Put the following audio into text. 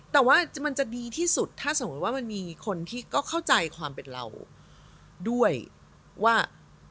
แต่ว่ามันจะดีที่สุดถ้าสมมุติว่ามันมีคนที่ก็เข้าใจความเป็นเราด้วยว่า